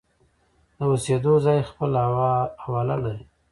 د اوسېدو ځای خپل حواله لري.